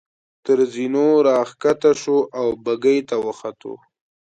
تر زینو را کښته شوو او بګۍ ته وختو.